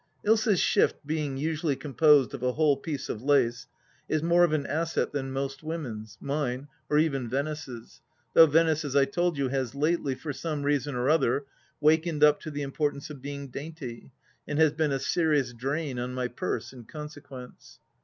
Ilsa's shift being usually composed of a whole piece of lace, is more of an asset than most women's — mine or even Venice's ; though Venice, as I told you, has lately, for some reason or other, wakened up to the importance of being dainty, and has been a serious drain on my purse in con sequence.